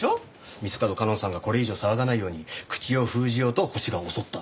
三ツ門夏音さんがこれ以上騒がないように口を封じようとホシが襲った。